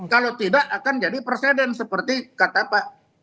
kalau tidak akan jadi presiden seperti kata pak